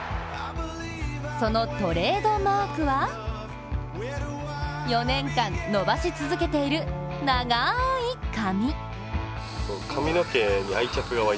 そのトレードマークは４年間伸ばし続けている長い髪。